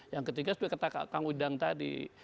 yang ketiga seperti kata kang udang tadi